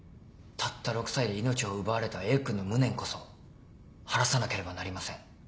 たった６歳で命を奪われたＡ君の無念こそ晴らさなければなりません。